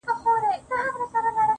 کله چې کور ته ورسېدم